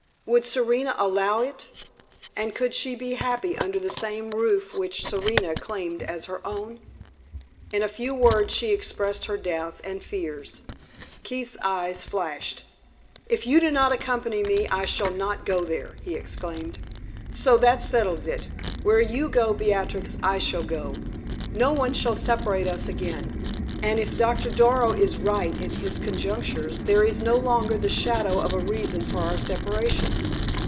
Would Serena allow it? And could she be happy under the same roof which Serena claimed as her own? In a few words she expressed her doubts and fears. Keith's eyes flashed. "If you do not accompany me, I shall not go there," he exclaimed; "so that settles it! Where you go, Beatrix, I shall go. No one shall separate us again. And if Doctor Darrow is right in his conjectures, there is no longer the shadow of a reason for our separation.